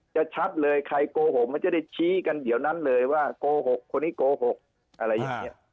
ชัดเลยใครโกหกมันจะได้ชี้กันเดี๋ยวนั้นเลยว่าโกหกคนนี้โกหกอะไรอย่างนี้